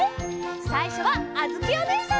さいしょはあづきおねえさんと！